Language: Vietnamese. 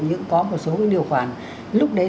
những có một số điều khoản lúc đấy